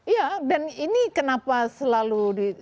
iya dan ini kenapa selalu di